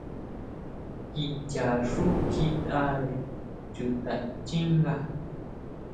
Kicha xú kjitʼare chuta xchínga.